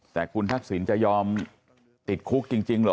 แต่คุณทักษิณจะยอมติดคุกจริงเหรอ